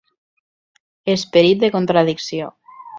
Esperit de contradicció.